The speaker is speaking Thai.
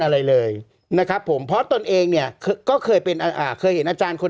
อะไรเลยนะครับผมเพราะตนเองเนี่ยก็เคยเป็นอ่าเคยเห็นอาจารย์คน